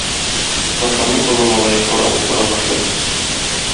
Патшаның олы малае каравыл тора башлый.